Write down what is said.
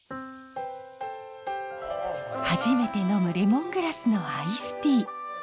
初めて飲むレモングラスのアイスティー。